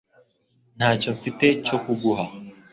Ntacyo mfite cyo kuguha